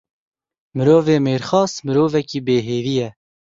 Mirovê mêrxas mirovekî bêhêvî ye.